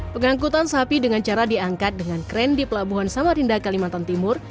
pengangkutan sapi dengan cara diangkat dengan kren di pelabuhan samarinda kalimantan timur